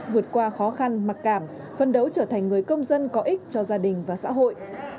vượt qua khó khăn mặc cảm phân đấu trở thành người công dân có ích cho gia đình và xã hội